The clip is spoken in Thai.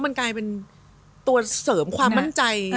มันกลายเป็นตัวเสริมความมั่นใจ